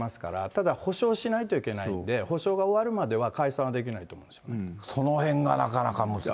ただ、補償しないといけないんで、補償が終わるまでは解散はできないとそのへんがなかなか難しい。